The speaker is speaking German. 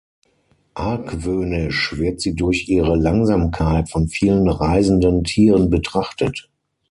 Argwöhnisch wird sie durch ihre Langsamkeit von vielen reisenden Tieren betrachtet.